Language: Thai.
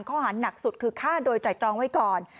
ข้อหาหนักสุดคือฆ่าโดยไตรตรองไว้ก่อน